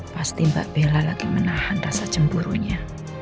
pasti mbak bella lagi menahan rasa cemburunya